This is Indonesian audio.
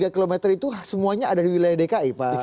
tiga km itu semuanya ada di wilayah dki pak